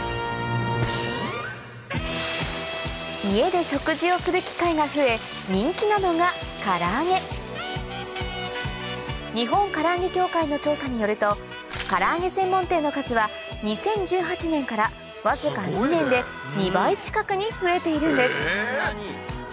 家で食事をする機会が増え人気なのがから揚げ日本唐揚協会の調査によるとから揚げ専門店の数は２０１８年からわずか２年で２倍近くに増えているんです